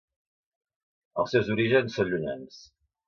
Els seus orígens són llunyans.